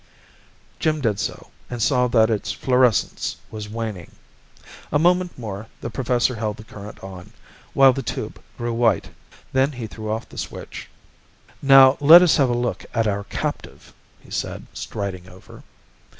Jim did so, and saw that its fluorescence was waning. A moment more the professor held the current on, while the tube grew white. Then he threw off the switch. "Now let us have a look at our captive," he said, striding over.